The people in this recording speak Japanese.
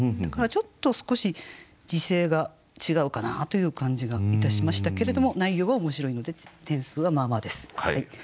だからちょっと少し時世が違うかなという感じがいたしましたけれども内容は面白いので点数はまあまあです。